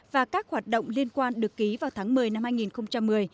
và các hoạt động liên quan được ký vào tháng một mươi năm hai nghìn một mươi